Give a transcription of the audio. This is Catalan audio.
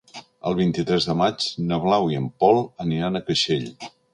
El vint-i-tres de maig na Blau i en Pol aniran a Creixell.